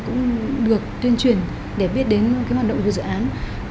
cũng được tuyên truyền để biết đến cái hoạt động của dự án